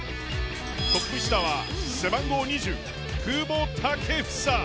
トップ下は背番号２０、久保建英。